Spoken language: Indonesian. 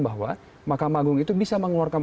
bahwa mahkamah agung itu bisa mengeluarkan